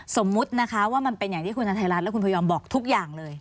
สมมุตินะคะว่ามันเป็นอย่างที่คุณไทยรัฐและคุณพยอมบอกทุกอย่างเลย